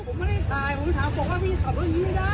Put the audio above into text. ผมไม่ได้ถ่ายผมถามผมว่าพี่ขับรถอยู่ไม่ได้